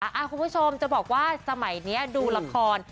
คุณผู้ชมจะบอกว่าสมัยนี้ดูละคร